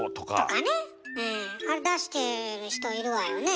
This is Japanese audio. あれ出してる人いるわよね。